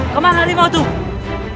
kemana hari mau tuh